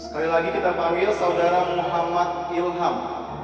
sekali lagi kita panggil saudara muhammad ilham